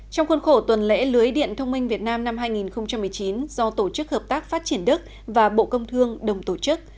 trong khuôn khổ tuần lễ lưới điện thông minh việt nam năm hai nghìn một mươi chín do tổ chức hợp tác phát triển đức và bộ công thương đồng tổ chức